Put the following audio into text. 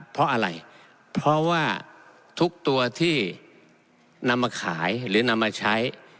เพราะอะไรเพราะว่าทุกตัวที่นำมาขายหรือนำมาใช้